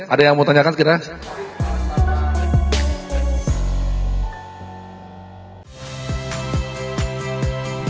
ada yang mau tanyakan sekiranya